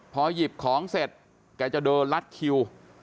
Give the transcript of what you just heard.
พอหยิบของเสร็จแกจะเดินลัดคิว